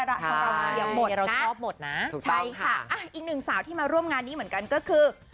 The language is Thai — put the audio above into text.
เราเชียวหมดนะถูกต้องค่ะใช่ค่ะอีกหนึ่งสาวที่มาร่วมงานนี้เหมือนกันก็คือ